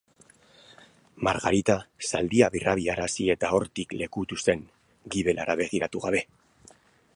Margarita, zaldia birarazi eta hortik lekutu zen, gibelera begiratu gabe.